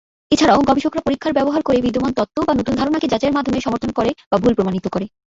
এছাড়া গবেষকরা পরীক্ষার ব্যবহার করে বিদ্যমান তত্ত্ব বা নতুন ধারণাকে যাচাইয়ের মাধ্যমে সমর্থন করে বা ভুল প্রমাণিত করে।